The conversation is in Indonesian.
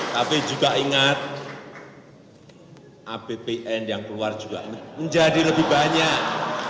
tapi juga ingat apbn yang keluar juga menjadi lebih banyak